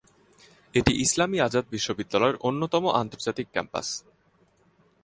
এটি ইসলামী আজাদ বিশ্ববিদ্যালয়ের অন্যতম আন্তর্জাতিক ক্যাম্পাস।